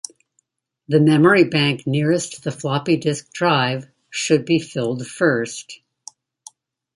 The memory bank nearest the floppy disk drive should be filled first.